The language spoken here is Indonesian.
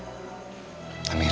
aku tidak perlu khawatir